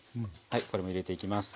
これも入れていきます。